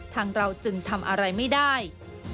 ทางเราจึงทำอะไรไม่ได้